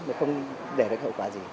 mà không để được hậu quả gì